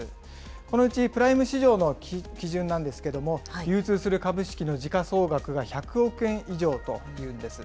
このうち、プライム市場の基準なんですけども、流通する株式の時価総額が１００億円以上というんです。